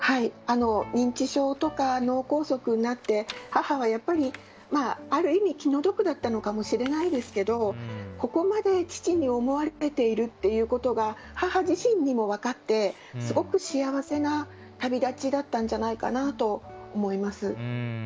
認知症とか、脳梗塞になって母はある意味気の毒だったのかもしれないですけどここまで父に思われているということが母自身にも分かってすごく幸せな旅立ちだったんじゃないかなって思います。